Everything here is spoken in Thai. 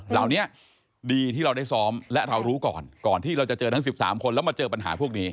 เหล่านี้ดีที่เราได้ซ้อมและเรารู้ก่อนก่อนที่เราจะเจอทั้ง๑๓คนแล้วมาเจอปัญหาพวกนี้